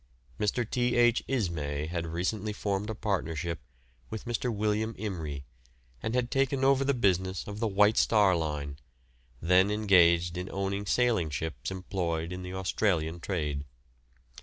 Mr. T. H. Ismay had recently formed a partnership with Mr. William Imrie, and had taken over the business of the White Star Line, then engaged in owning sailing ships employed in the Australian trade.